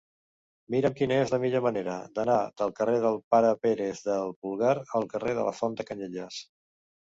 Mira'm quina és la millor manera d'anar del carrer del Pare Pérez del Pulgar al carrer de la Font de Canyelles.